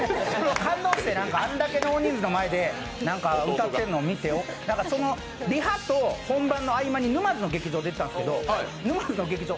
感動して、あんな多くの前で歌ってるのを見てリハと本番の合間に沼津の劇場出てたんですけれども、沼津の劇場